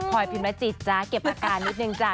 พอยพิมรจิตจ๊ะเก็บอาการนิดนึงจ้ะ